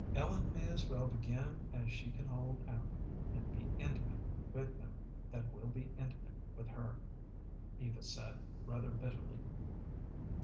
"Ellen may as well begin as she can hold out, and be intimate with them that will be intimate with her," Eva said, rather bitterly.